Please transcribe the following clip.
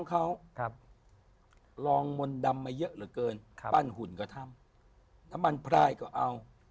เขาลองมนต์ดำมาเยอะเหลือเกินปั้นหุ่นก็ทำน้ำมันพรายก็เอา